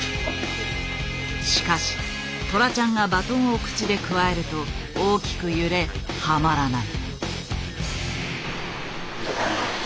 しかしトラちゃんがバトンを口でくわえると大きく揺れはまらない。